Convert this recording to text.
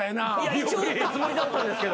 一応打ったつもりだったんですけど。